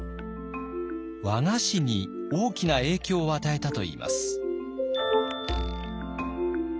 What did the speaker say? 和菓子に大きな影響を与えたといいます。